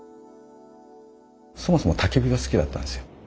そもそもたき火が好きだったんですよ。